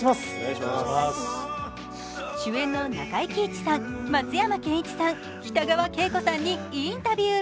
主演の中井貴一さん、松山ケンイチさん北川景子さんにインタビュー。